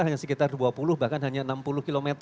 hanya sekitar dua puluh bahkan hanya enam puluh km